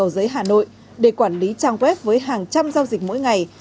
rồi thao tác trên máy